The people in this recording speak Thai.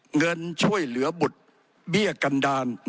ผมจะขออนุญาตให้ท่านอาจารย์วิทยุซึ่งรู้เรื่องกฎหมายดีเป็นผู้ชี้แจงนะครับ